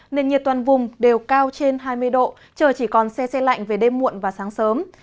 nền nhiệt toàn vùng đều cao trên hai mươi độ chờ chỉ còn xe xe lạnh về đêm muộn và sáng sớm